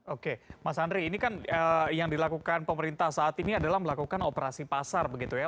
oke mas andri ini kan yang dilakukan pemerintah saat ini adalah melakukan operasi pasar begitu ya